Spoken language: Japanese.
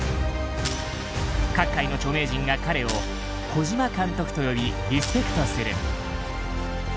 各界の著名人が彼を「小島監督」と呼びリスペクトする。